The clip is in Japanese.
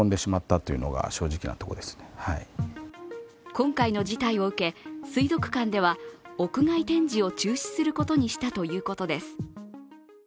今回の事態を受け、水族館では屋外展示を中止することにしたということです。